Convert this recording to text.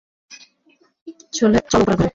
চলো উপরের ঘরে।